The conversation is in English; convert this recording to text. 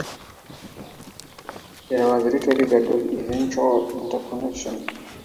There was little regard for eventual interconnection.